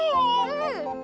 うん！